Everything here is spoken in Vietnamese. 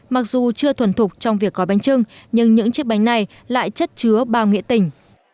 mặc dù chưa thuần thục trong việc gói bánh trưng nhưng những chiếc bánh này lại chất chứa bao nghĩa tình